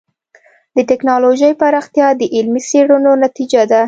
د ټکنالوجۍ پراختیا د علمي څېړنو نتیجه ده.